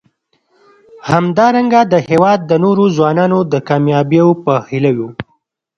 همدارنګه د هیواد د نورو ځوانانو د کامیابیو په هیله یو.